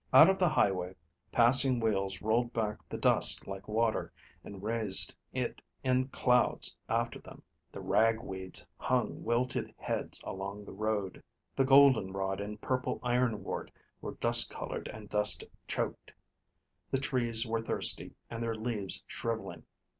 Out on the highway passing wheels rolled back the dust like water, and raised it in clouds after them. The rag weeds hung wilted heads along the road. The goldenrod and purple ironwort were dust colored and dust choked. The trees were thirsty, and their leaves shriveling.